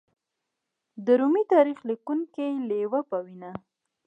د رومي تاریخ لیکونکي لېوي په وینا